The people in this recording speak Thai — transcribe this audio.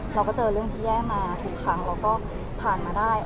เราก็เจอเรื่องที่แย่มาทุกครั้งเราก็ผ่านมาได้